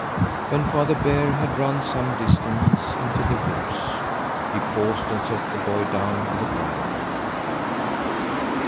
When Father Bear had run some distance into the woods, he paused and set the boy down on the ground.